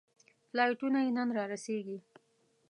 فلایټونه یې نن رارسېږي.